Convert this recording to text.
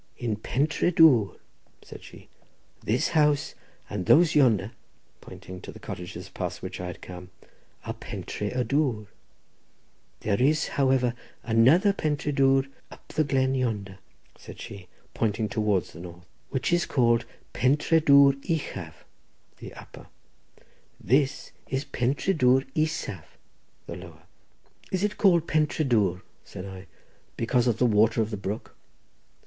"In Pentré Dwr," said she. "This house and those yonder," pointing to the cottages past which I had come, "are Pentré y Dwr. There is, however, another Pentré Dwr up the glen yonder," said she, pointing towards the north—"which is called Pentré Dwr uchaf (the upper)—this is called Pentré Dwr isaf (the lower)." "Is it called Pentré Dwr," said I, "because of the water of the brook?"